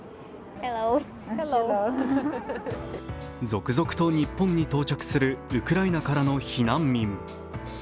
続々と日本に到着するウクライナからの避難民。